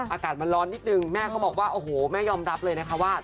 อากาศมันร้อนนิดนึงแม่เขาบอกว่าโอ้โหแม่ยอมรับเลยนะคะว่า